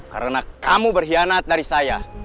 karena kamu berhianat dari saya